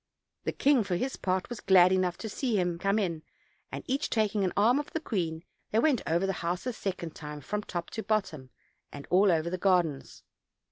The king, for his part, was glad enough to see him come in;j and, each taking an arm of the queen, they went over the house a second time from top to bottom, and all over the gardens.